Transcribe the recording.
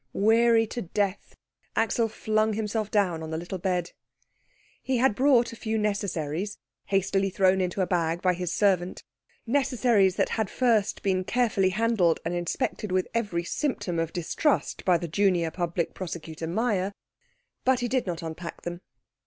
Weary to death, Axel flung himself down on the little bed. He had brought a few necessaries, hastily thrown into a bag by his servant, necessaries that had first been carefully handled and inspected with every symptom of distrust by the Junior Public Prosecutor Meyer; but he did not unpack them.